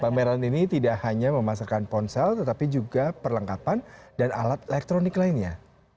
pameran ini tidak hanya memasarkan ponsel tetapi juga perlengkapan dan alat elektronik lainnya